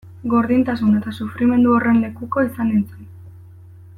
Gordintasun eta sufrimendu horren lekuko izan nintzen.